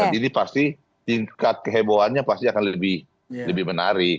jadi pasti tingkat kehebohannya pasti akan lebih menarik